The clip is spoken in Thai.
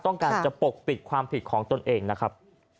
ต้องการจะปกปิดความผิดของตนเองนะครับ